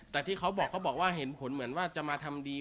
แต่ที่เขาบอกเขาบอกว่าเห็นผลเหมือนว่าจะมาทำดี